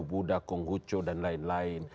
buddha konghucu dan lain lain